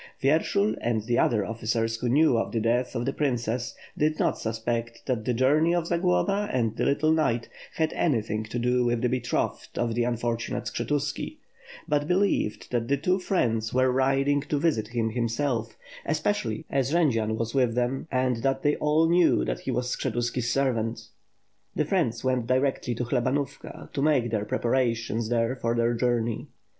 Vyershul and the other officers who knew of the death of the princess, did not suspect that the journey of Zagloba and the little knight had anything to do with the betrothed of the unfortunate Skshetuski; but believed that the two friends were riding to visit him himself, especially as Jend zian was with them and they all knew that he was Skshe tuski's servant. The friends went directly to Khlebanovka, to make their preparations there for their journey.